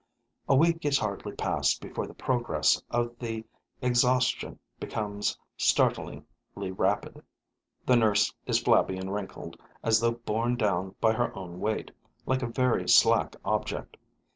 A week is hardly past before the progress of the exhaustion becomes startlingly rapid. The nurse is flabby and wrinkled, as though borne down by her own weight, like a very slack object.